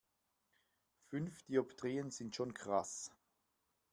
Fünf Dioptrien sind schon krass.